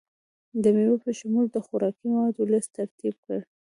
د میوو په شمول د خوراکي موادو لست ترتیب کړئ.